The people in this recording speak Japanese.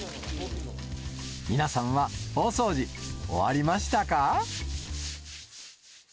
皆さんは大掃除、終わりましたか？